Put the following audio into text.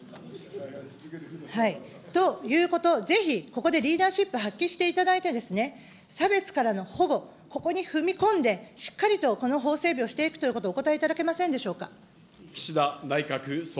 ということをぜひ、ここでリーダーシップ発揮していただいてですね、差別からの保護、ここに踏み込んで、しっかりと、この法整備をしていくということをお答えいただけませんでしょうか。